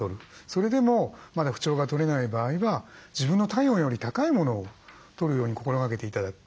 それでもまだ不調がとれない場合は自分の体温より高いものをとるように心がけて頂く。